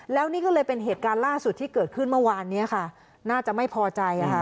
แล้วนี่ก็เลยเป็นเหตุการณ์ล่าสุดที่เกิดขึ้นเมื่อวานนี้ค่ะน่าจะไม่พอใจอ่ะค่ะ